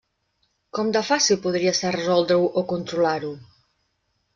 Com de fàcil podria ser resoldre-ho o controlar-ho?